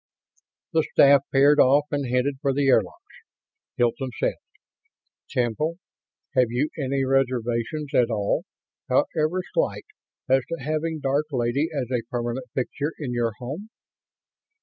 The staff paired off and headed for the airlocks. Hilton said: "Temple, have you any reservations at all, however slight, as to having Dark Lady as a permanent fixture in your home?"